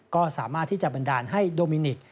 ก็สามารถที่จะบันดาลให้โดมินิก